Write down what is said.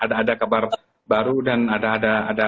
ada ada kabar baru dan ada ada development baru